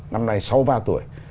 năm nay sáu mươi ba tuổi